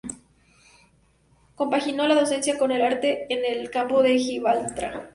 Compaginó la docencia con el arte en el Campo de Gibraltar.